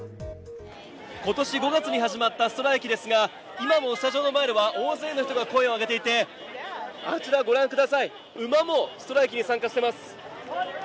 今年５月に始まったストライキですが今もスタジオの前では大勢の人が声を上げていて、あちら、ご覧ください、馬もストライキに参加しています。